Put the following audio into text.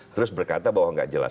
terus berkata bahwa nggak jelas